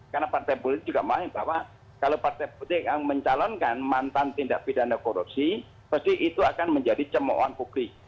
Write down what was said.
karena partai politik juga mengalami bahwa kalau partai politik mencalonkan mantan tindak pidana korupsi pasti itu akan menjadi cemohan publik